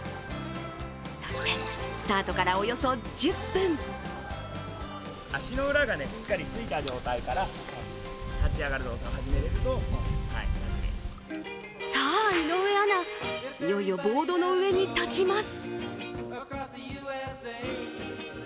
そしてスタートからおよそ１０分さあ、井上アナ、いよいよボードの上に立ちます。